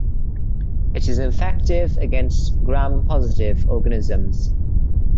It is effective against Gram-positive organisms.